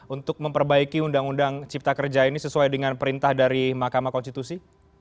untuk memperbaiki undang undang cipta kerja ini sesuai dengan perintah dari mahkamah konstitusi